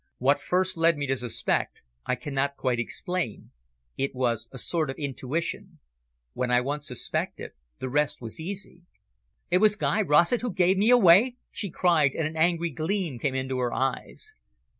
"What first led me to suspect. I cannot quite explain it was a sort of intuition. When I once suspected, the rest was easy." "It was Guy Rossett who gave me away?" she cried, and an angry gleam came into her eyes.